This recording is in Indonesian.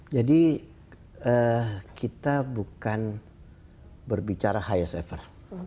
jadi kita bukan berbicara highest ever